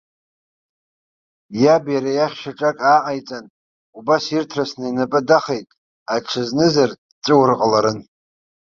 Иаб иара иахь шьаҿак ааҟаиҵан, убас ирҭрысны инапы дахеит, аҽазнызар дҵәыуар ҟаларын.